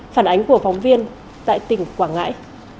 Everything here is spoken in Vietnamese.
phản ánh của phóng viên tại tỉnh quảng ngãi